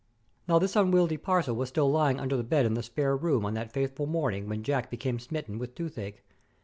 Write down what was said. Now this unwieldy parcel was still lying under the bed in the spare room on that fateful morning when Jack became smitten with toothache.